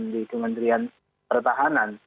di kementerian pertahanan